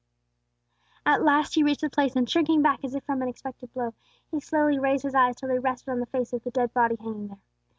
At last he reached the place, and, shrinking back as if from an expected blow, he slowly raised his eyes till they rested on the face of the dead body hanging there.